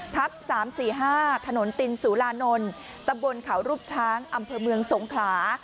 ทับสามสี่ห้าถนนตินสุรานนท์ตะบลเขารูปช้างอำเภอเมืองสงขลา